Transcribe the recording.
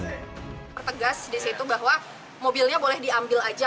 pertegas di situ bahwa mobilnya boleh diambil aja